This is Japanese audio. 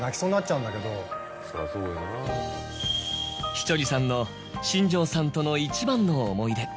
稀哲さんの新庄さんとの一番の思い出